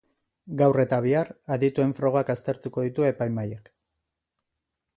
Gaur eta bihar adituen frogak aztertuko ditu epaimahaiak.